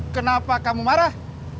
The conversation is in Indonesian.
kenapa kamu marah